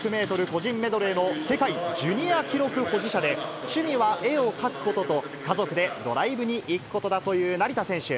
個人メドレーの世界ジュニア記録保持者で、趣味は絵を描くことと、家族でドライブに行くことだという成田選手。